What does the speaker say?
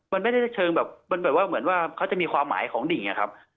มันไม่ได้เชิงแบบมันแบบว่าเหมือนว่าเขาจะมีความหมายของดิ่งอะครับ